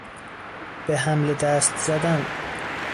به حمله دست زدن